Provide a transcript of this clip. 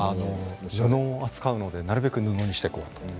布を扱うので、なるべく布にしていこうと。